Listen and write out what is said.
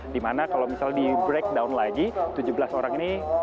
dimana kalau misalnya di breakdown lagi tujuh belas orang ini